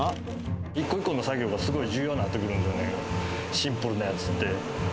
一個一個の作業がすごい重要になってくるんですよね、シンプルなやつって。